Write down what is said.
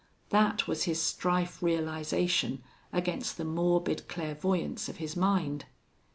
That was his strife realization against the morbid clairvoyance of his mind.